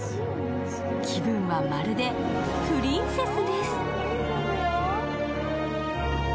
気分は、まるでプリンセスです。